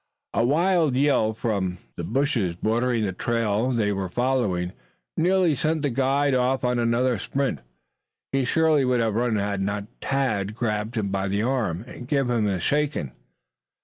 A wild yell from the bushes bordering the trail they were following nearly sent the guide off on another sprint. He surely would have run had not Tad grabbed him by the arm and given him a shaking.